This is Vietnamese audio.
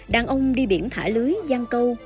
đàn ông đi biển thả lưới giang câu